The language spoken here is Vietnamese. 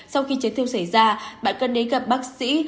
sau khi chấn thương xảy ra bạn cần đến gặp bác sĩ